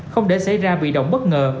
không để xảy ra bị động bất ngờ